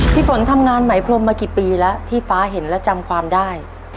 พี่ฝนทำงานไหมพรมมากี่ปีแล้วที่ฟ้าเห็นและจำความได้